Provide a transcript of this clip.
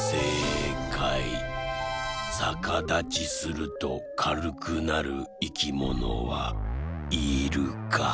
さかだちするとかるくなるいきものは「イルカ」。